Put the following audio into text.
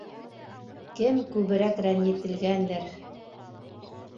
- Кем күберәк рәнйетелгәндер...